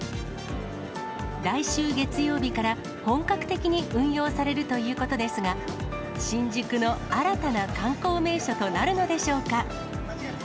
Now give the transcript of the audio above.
来週月曜日から本格的に運用されるということですが、新宿の新たな観光名所となるのでしょうか。